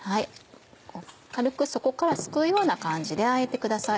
軽く底からすくうような感じであえてください。